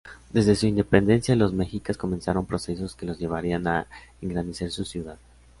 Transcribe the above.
Desde su independencia, los mexicas comenzaron procesos que los llevarían a engrandecer su ciudad.